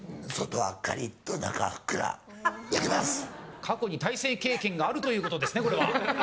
過去に対戦経験があるということですね、これは。